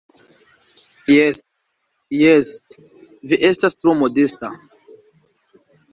Jes, jes, vi estas tro modesta.